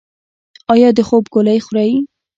ایا د خوب ګولۍ خورئ؟